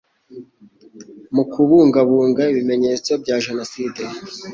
Mu kubungabunga ibimenyetso bya Jenoside